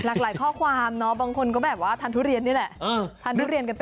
หลากหลายข้อความเนอะบางคนก็แบบว่าทานทุเรียนนี่แหละ